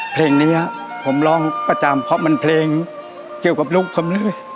เพลงนี้ผมร้องประจำเพราะมันเพลงเกี่ยวกับลูกผมเลย